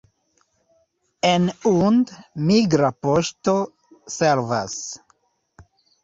En Und migra poŝto servas.